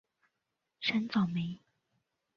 山噪鹛。